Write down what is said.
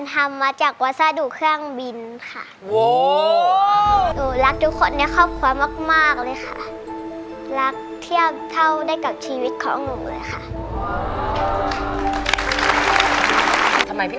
ต้องมีอีกสักวัน